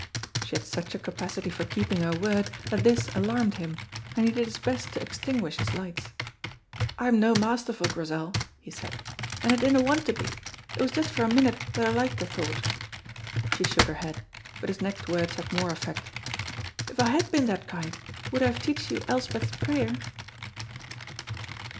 She had such a capacity for keeping her word that this alarmed him, and he did his best to extinguish his lights. "I'm no masterful, Grizel," he said, "and I dinna want to be, it was just for a minute that I liked the thought." She shook her head, but his next words had more effect. "If I had been that kind, would I have teached you Elspeth's prayer?"